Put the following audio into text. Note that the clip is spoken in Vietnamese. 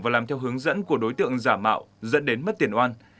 và làm theo hướng dẫn của đối tượng giả mạo dẫn đến mất tiền oan